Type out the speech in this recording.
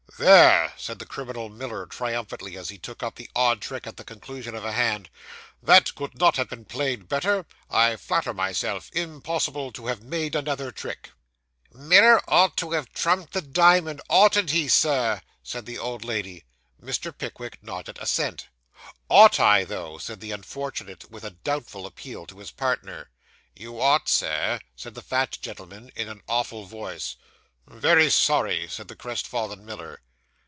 'There!' said the criminal Miller triumphantly, as he took up the odd trick at the conclusion of a hand; 'that could not have been played better, I flatter myself; impossible to have made another trick!' 'Miller ought to have trumped the diamond, oughtn't he, Sir?' said the old lady. Mr. Pickwick nodded assent. 'Ought I, though?' said the unfortunate, with a doubtful appeal to his partner. 'You ought, Sir,' said the fat gentleman, in an awful voice. 'Very sorry,' said the crestfallen Miller.